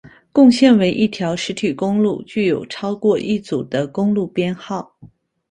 共线为一条实体公路具有超过一组的公路编号。